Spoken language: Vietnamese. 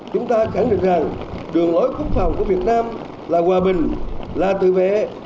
chúng ta khẳng định rằng đường lối quốc phòng của việt nam là hòa bình là tự vệ